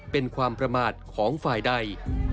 เป็นความประมาทของฝ่ายใด